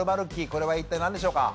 これは一体何でしょうか？